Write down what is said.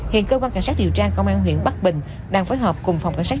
hiện cơ quan cảnh sát điều tra công an huyện bắc bình đang phối hợp cùng phòng cảnh sát